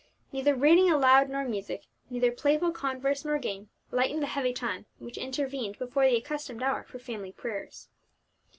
Neither reading aloud nor music, neither playful converse nor game, lightened the heavy time which intervened before the accustomed hour for family prayers.